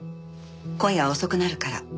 今夜は遅くなるから。